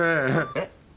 えっ？